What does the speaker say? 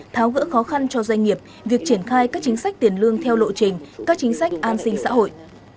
tháo gỡ khó khăn cho doanh nghiệp việc triển khai các chính sách tiền lương theo lộ trình các chính sách an sinh xã hội